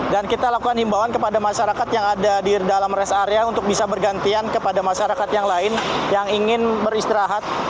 dan kita lakukan himbawan kepada masyarakat yang ada di dalam rest area untuk bisa bergantian kepada masyarakat yang lain yang ingin beristirahat